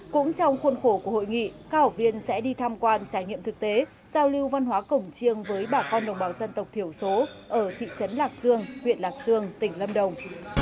cũng trong khuôn khổ của hội nghị các học viên sẽ đi tham quan trải nghiệm thực tế giao lưu văn hóa cổng chiêng với bà con đồng bào dân tộc thiểu số ở thị trấn lạc dương huyện lạc dương tỉnh lâm đồng